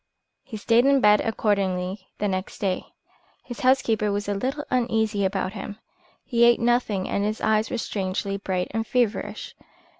He stayed in bed accordingly the next day. His housekeeper was a little uneasy about him. He ate nothing and his eyes were strangely bright and feverish.